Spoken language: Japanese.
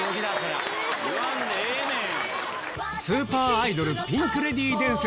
言わんでええねん！